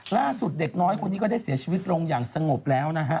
เด็กน้อยคนนี้ก็ได้เสียชีวิตลงอย่างสงบแล้วนะฮะ